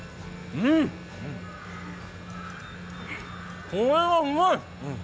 うん、これはうまい。